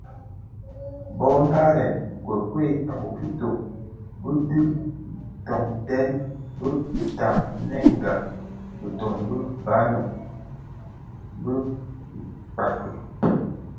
Bō narèn nkokuei a bokito bi dhi tondèn bi tanènga bitoň bi Bati (boni Nanga) bi Kpagi.